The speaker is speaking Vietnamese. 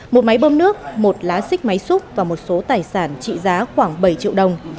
một máy bơm nước một lá xích máy xúc và một số tài sản trị giá khoảng bảy triệu đồng